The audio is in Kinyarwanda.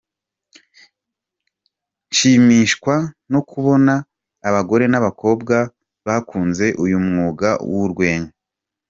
Nshimishwa no kubona abagore n’abakobwa bakunze uyu mwuga w’urwenya.